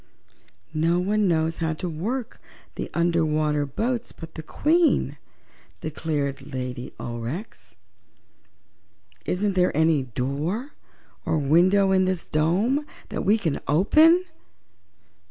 "No one knows how to work the under water boats but the Queen," declared Lady Aurex. "Isn't there any door or window in this dome that we could open?"